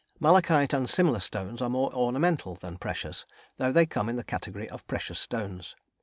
Malachite and similar stones are more ornamental than precious, though they come in the category of precious stones.